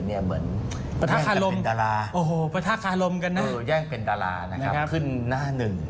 เหมือนแย่งเป็นดาราขึ้นหน้าหนึ่ง